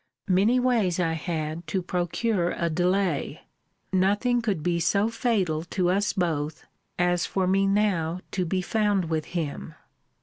Many ways I had to procure a delay. Nothing could be so fatal to us both, as for me now to be found with him.